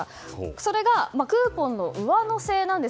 それがクーポンの上乗せなんです。